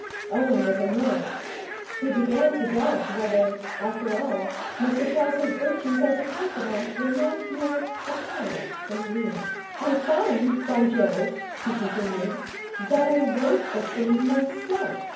Owen was annoyed. He began to doubt whether, after all, Mr Prosser's virtues as a confidant were not more apparent than real. 'I find, by Jove,' he continued, 'that I wrote the thing myself.'